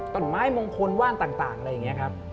ต้นไม้มงคลว่านต่างอะไรอย่างนี้ครับ